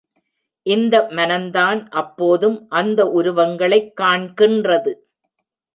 இந்த மனந்தான் அப்போதும் அந்த உருவங்களைக் காண்கின்றது.